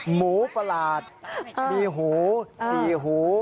หมูประหลาดมีหู๔หู